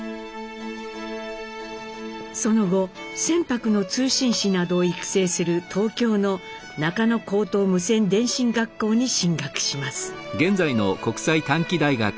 その後船舶の通信士などを育成する東京の中野高等無線電信学校に進学します。